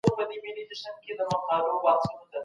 که انټرنېټ چټک وي، اړیکه نه پرې کېږي.